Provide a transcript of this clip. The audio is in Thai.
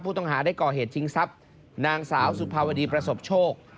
ผู้ต้องหาได้ก่อเหตุชิงทรัพย์นางสาวสุภาวดีประสบโชค